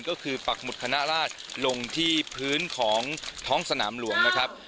ก็คือปักหมุดคณะราชลงที่พื้นของท้องสนามหลวงนะครับ